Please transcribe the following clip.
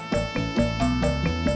pagi mas pur